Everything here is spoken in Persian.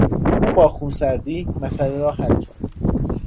او با خونسردی مسئله را حل کرد.